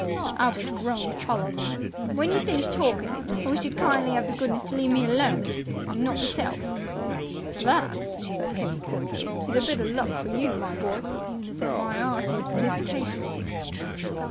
Albert groaned hollowly. "When you've finished torkin', I wish you'd kindly have the goodness to leave me alone. I'm not meself." "That," said Keggs cordially, "is a bit of luck for you, my boy. Accept my 'eartiest felicitations!"